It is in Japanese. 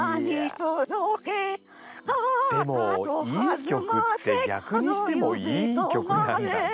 でもいい曲って逆にしてもいい曲なんだね。